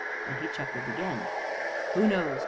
and he chuckled again. "Who knows?